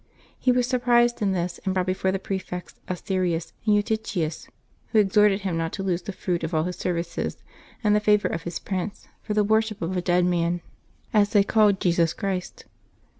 He was sur prised in this, and brought before the prefects Asterius and Eutychius, who exhorted him not to lose the fruit of all his services and the favor of his prince for the worship of a dead man, as they called Jesus Christ.